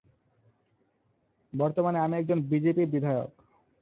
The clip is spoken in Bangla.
বর্তমানে আমি একজন বিজেপি বিধায়ক।'